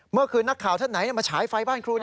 เมื่อคืนนักข่าวท่านไหนมาฉายไฟบ้านครู